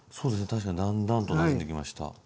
確かにだんだんとなじんできました。